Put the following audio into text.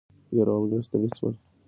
یرغلګر ستړي شول.